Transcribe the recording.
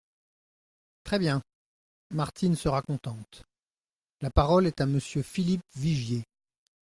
Très bien ! Martine sera contente ! La parole est à Monsieur Philippe Vigier.